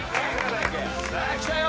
さあきたよ